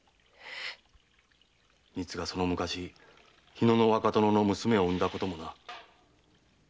ええ⁉みつがその昔日野の若殿の娘を産んだこともな。